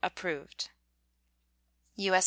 Approved: U.S.